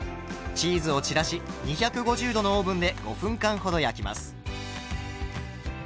チーズを散らし２５０℃のオーブンで５分間ほど焼きます。